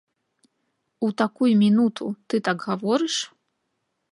У такую мінуту ты так гаворыш?